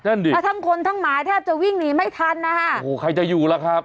ดิแล้วทั้งคนทั้งหมาแทบจะวิ่งหนีไม่ทันนะคะโอ้โหใครจะอยู่ล่ะครับ